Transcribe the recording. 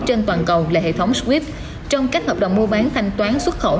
trên toàn cầu là hệ thống swift trong cách hợp đồng mua bán thanh toán xuất khẩu